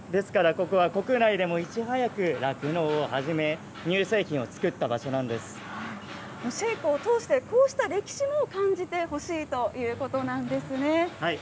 ですから、ここは国内でもいち早く酪農を始め、乳製品を作った場シェイクを通して、こうした歴史も感じてほしいということなんですね。